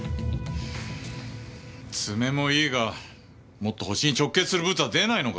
爪もいいがもっとホシに直結するブツは出ないのか？